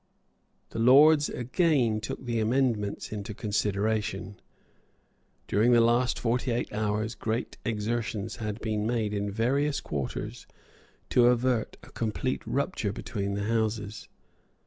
The Lords again took the amendments into consideration. During the last forty eight hours, great exertions had been made in various quarters to avert a complete rupture between the Houses.